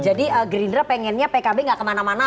gerindra pengennya pkb nggak kemana mana